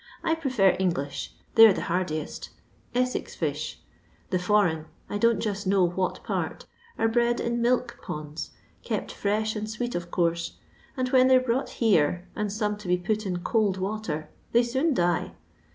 I prefer Bnglish. They're the hardiest ; Bssex fish. The foreign — I don't just know what port— are bred in milk ponds; kept fresh and sweet, of course; and when they're brought here, and come to be put in cold water, they soon die.